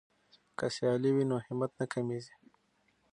که سیالي وي نو همت نه کمیږي.